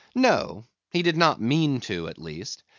No; he did not mean to, at least.